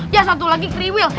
yang satu lagi kriwil